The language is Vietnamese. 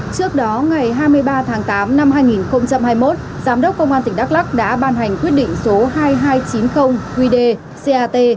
trước đó ngày hai mươi ba tháng tám năm hai nghìn hai mươi một giám đốc công an tỉnh đắk lắc đã ban hành quyết định số hai nghìn hai trăm chín mươi qd cat